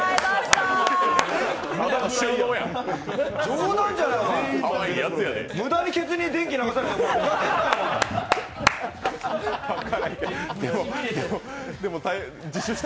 冗談じゃない、無駄にケツに電気流された。